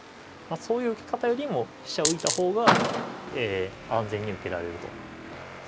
そういう受け方よりも飛車を浮いた方が安全に受けられると。